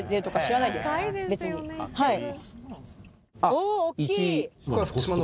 おっきい。